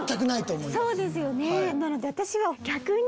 そうですよねなので私は逆に。